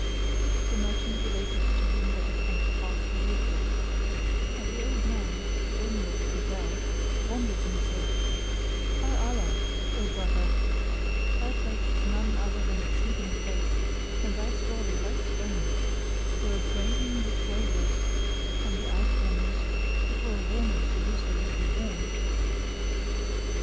The merchant related to him what had come to pass with the Ifrit, and the old man, the owner of the gazelle, wondered and said, "By Allah, O brother, thy faith is none other than exceeding faith and thy story right strange; were it graven with gravers on the eye corners, it were a warner to whoso would be warned."